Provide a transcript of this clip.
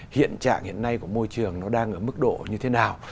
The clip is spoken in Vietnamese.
hiện trạng hiện nay của môi trường nó đang ở mức độ như thế nào